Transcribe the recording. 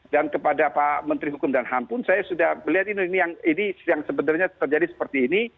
dan kepada pak menteri hukum dan ham pun saya sudah melihat ini yang sebenarnya terjadi seperti ini